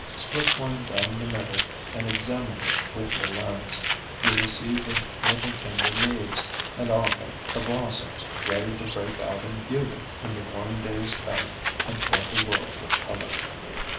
Split one down the middle and examine it with your lens. You will see the little tender leaves, and often the blossoms, ready to break out in beauty when the warm days come and flood the world with color.